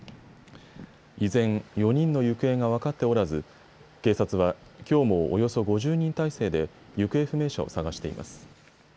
依然、４人の行方が分かっておらず警察は、きょうもおよそ５０人体制で行方不明者を捜しています。